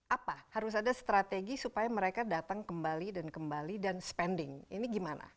apa harus ada strategi supaya mereka datang kembali dan kembali dan spending ini gimana